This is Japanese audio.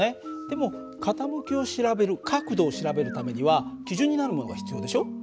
でも傾きを調べる角度を調べるためには基準になるものが必要でしょ。